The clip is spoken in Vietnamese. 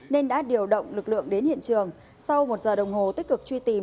nên đã điều động lực lượng đến hiện trường sau một giờ đồng hồ tích cực truy tìm